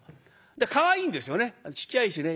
かわいいんですよねちっちゃいしね。